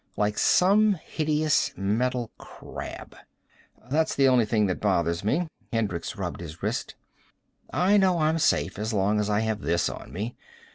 Like some hideous metal crab.... "That's the only thing that bothers me." Hendricks rubbed his wrist. "I know I'm safe as long as I have this on me.